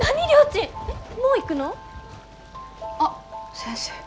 あっ先生。